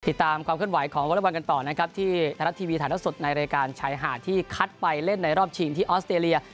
ติดตามความขึ้นไหวของวันละวันกันต่อนะครับที่ทรัพย์ทีวีถ่ายรักษุสุดในรายการชายหาดที่คัดไปเล่นในรอบชิงที่ออสเตรเลีย